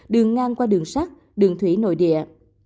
đường ngang qua đường sắt đường thủy nội địa